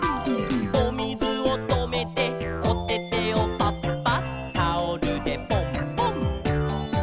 「おみずをとめておててをパッパッ」「タオルでポンポン」